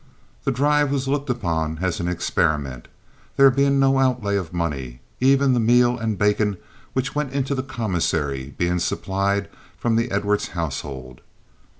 The drive was looked upon as an experiment, there being no outlay of money, even the meal and bacon which went into the commissary being supplied from the Edwards household.